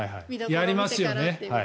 やりますよね。